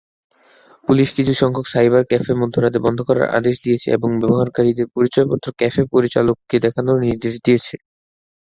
Police কিছুসংখ্যক cyber cafe মধ্যরাতে বন্ধ করার আদেশ দিয়েছে এবং ব্যবহারকারীদের পরিচয়পত্র ক্যাফে পরিচালককে দেখানোর নির্দেশ দিয়েছে।